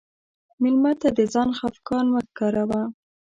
مېلمه ته د ځان خفګان مه ښکاروه.